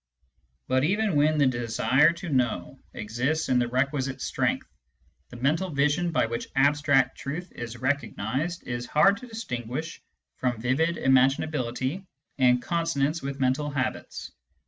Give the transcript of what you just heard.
But even when the desire to know exists in the requisite strength, the mental vision by which abstract truth is recognised is hard to distinguish from vivid imaginability and consonance with mental habits.